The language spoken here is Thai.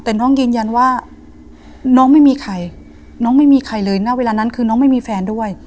แต่น้องยืนยันว่าน้องไม่มีใครน้องไม่มีใครเลยณเวลานั้นคือน้องไม่มีแฟนด้วย